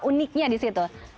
uniknya di situ